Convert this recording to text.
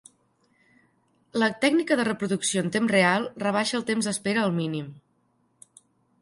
La tècnica de reproducció en temps real rebaixa el temps d'espera al mínim.